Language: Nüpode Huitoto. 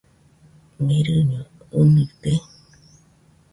Mirɨño ɨnɨite?